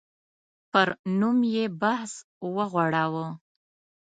پر نوم یې بحث وغوړاوه.